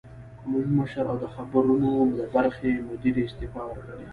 عمومي مشر او د خبرونو د برخې مدیرې استعفی ورکړې